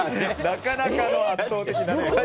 なかなかの圧倒的な。